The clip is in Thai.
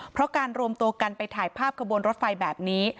เพราะการรวมตัวกันไปถ่ายภาพขบวนรถไฟแบบนี้